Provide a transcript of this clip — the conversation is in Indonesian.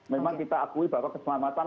memang kita akui bahwa keselamatan